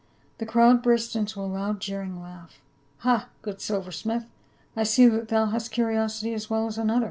The crowd burst into a loud jeering laugh. " Ha, good silver smith, I see that thou hast curi osity as well as another."